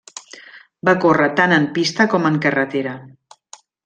Va córrer tant en pista com en carretera.